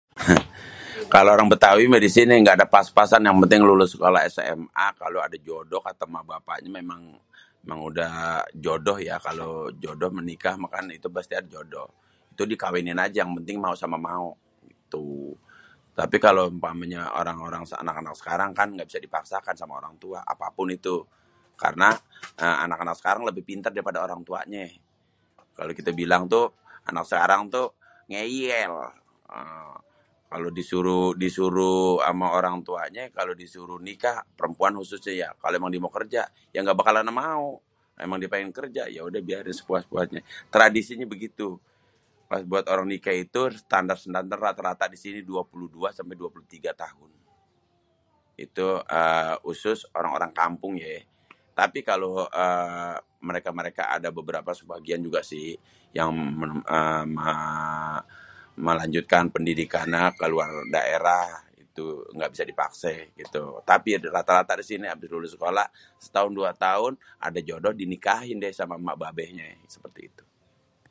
Hah kalau orang bêtawi méh disini gak adê pas-pasan. yang penting lulus SMA kalau ada jodoh katé èmak bapaknyé memang, memang udah jodoh ya, kalau jodoh menikah mah kan udah pasti ada jodoh itu udah dikawinin aja, yang penting mao sama mao gitu. Tapi kalo umpanyé orang anak-anak sekarang kan gak bisa dipaksakan sama orang tua apapun itu, karena anak-anak sekarang lebih pinter daripada orang tuanyé. Kalau kité bilang tuh anak sekarang tuh ngéyél ééé kalau disuruh-disuruh ama orang tuanyé kalau disuruh nikah perempuan khususnya kalau émang dia mao kerja ya gak bakalan mao émang dia pengen kerja yaudah biarin sepuas-puasnyé. Tradisinya begitu buat orang nikah itu standar-standar rata-rata di sini 22 sampe 23 tahun, itu khusus orang-orang kampung yéé, tapi kalau ééé mereka-mereka ada beberapa sebagian juga si yang melanjutkan pendidikan keluar daerah itu éngga bisa dipaksé gitu, tapi rata-rata ada tapinyé abis lulus sekolah setahun dua tahun adé jodoh dinikahin déh samé èmak babèhnyè seperti itu.